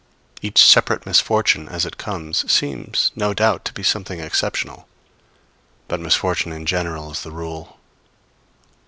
Each separate misfortune, as it comes, seems, no doubt, to be something exceptional; but misfortune in general is the rule.